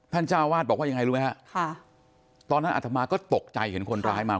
เจ้าวาดบอกว่ายังไงรู้ไหมฮะค่ะตอนนั้นอัธมาก็ตกใจเห็นคนร้ายมา